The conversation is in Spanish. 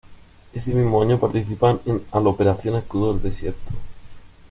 Ese mismo año participan en al Operación Escudo del Desierto.